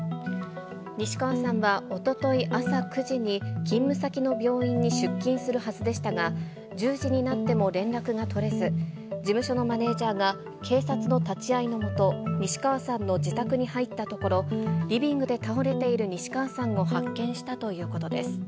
西川さんはおととい朝９時に、勤務先の病院に出勤するはずでしたが、１０時になっても連絡が取れず、事務所のマネージャーが警察の立ち会いの下、西川さんの自宅に入ったところ、リビングで倒れている西川さんを発見したということです。